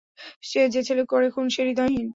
যে ছেলে করে খুন, সে হৃদয়হীন।